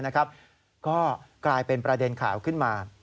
ก็กลายเป็นประเด็นข่าวขึ้นมา